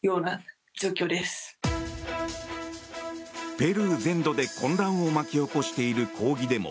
ペルー全土で混乱を巻き起こしている抗議デモ。